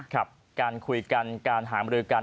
ครับการคุยกันการหามรือกัน